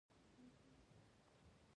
کوم عنصرونه د نباتاتو کتله جوړي؟